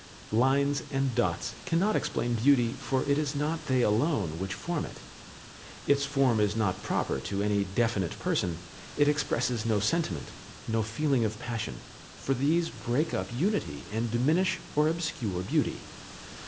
Lines and dots cannot explain beauty, for it is not they alone which form it. Its form is not proper to any definite person, it expresses no sentiment, no feeling of passion, for these break up unity and diminish or obscure beauty.